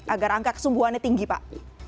agar angka kesembuhannya tinggi pak